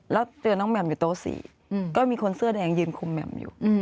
แล้วเตือนน้องแหม่มอยู่โต๊ะ๔ก็มีคนเสื้อแดงยืนคุมแหม่มอยู่